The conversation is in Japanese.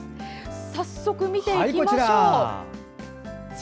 早速見ていきましょう。